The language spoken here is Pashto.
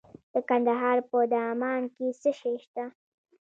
د کندهار په دامان کې څه شی شته؟